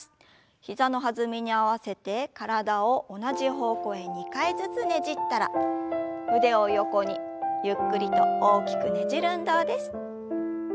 膝の弾みに合わせて体を同じ方向へ２回ずつねじったら腕を横にゆっくりと大きくねじる運動です。